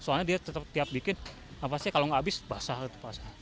soalnya dia tetep tiap bikin napasnya kalau ga habis basah tuh